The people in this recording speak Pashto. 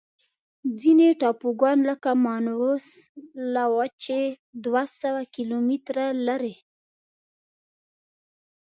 ځینې ټاپوګان لکه مانوس له وچې دوه سوه کیلومتره لري.